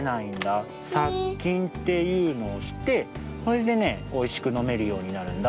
さっきんっていうのをしてそれでねおいしくのめるようになるんだ。